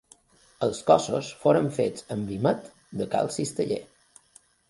Els cossos foren fets amb vímet a Cal Cisteller.